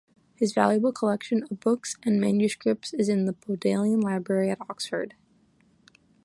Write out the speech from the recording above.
His valuable collection of books and manuscripts is in the Bodleian Library at Oxford.